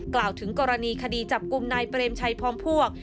กล่าวถึงกรณีคดีจับกลุ่มนายเปรมชัยพร้อมพวก